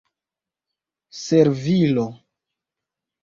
servilo